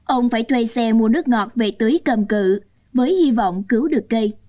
ông phải thuê xe mua nước ngọt về tưới cầm cự với hy vọng cứu được cây